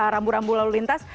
rambu rambu lalu lintas